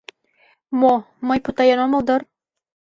Мо... мый путаен омыл дыр?